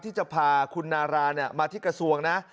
ที่จะพาคุณนารามาที่กระทรวงนะ